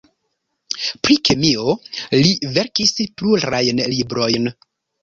Pri kemio li verkis plurajn librojn.